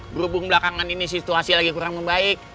berhubung belakangan ini situasi lagi kurang membaik